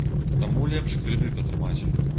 Таму лепш крэдыт атрымаць.